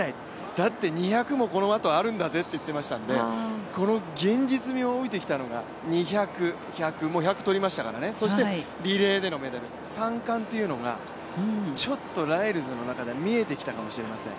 だって２００もこのあとあるんだぜって言っていましたから、この現実味を帯びてきたのが、１００、２００、もう１００は取りましたからね、そしてリレーでのメダル、３冠というのがライルズの中ではちょっと見えてきたかもしれません。